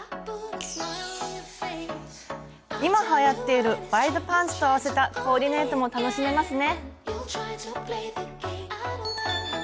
今はやっているワイドパンツと合わせたコーディネートも楽しめますね。